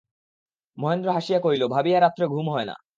মহেন্দ্র হাসিয়া কহিল, ভাবিয়া রাত্রে ঘুম হয় না।